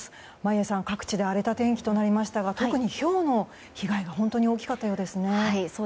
眞家さん、各地で荒れた天気となりましたが特にひょうの被害が本当に大きかったようですね。